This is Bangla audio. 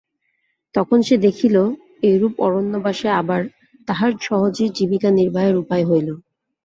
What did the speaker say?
তখন সে দেখিল, এইরূপ অরণ্যবাসে আবার তাহার সহজে জীবিকানির্বাহের উপায় হইল।